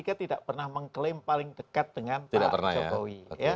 p tiga tidak pernah mengklaim paling dekat dengan pak jokowi